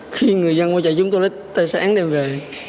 khi người dân qua chạy chúng tôi lấy tài sản đem về